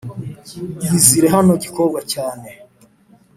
iyizire hano gikobwa cyane